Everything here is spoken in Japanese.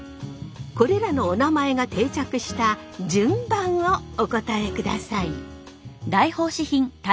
これらのおなまえが定着した順番をお答えください。